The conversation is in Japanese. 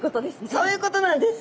そういうことなんです。